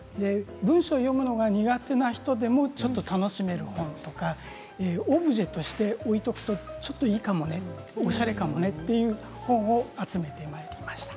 文章を読むのが苦手な人でもちょっと楽しめる本とかオブジェとして置いておくとちょっといいかもねおしゃれかもねという本を集めてきました。